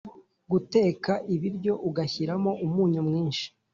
guteka ibiryo ugashyiramo umunyu mwinshi